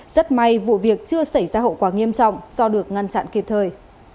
rất may vụ việc chưa xảy ra hậu quả nghiêm trọng do được ngăn chặn kịp thời